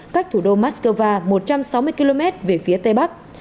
cách thủ đô moscow một trăm sáu mươi km về phía tây bắc